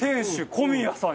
小宮さん。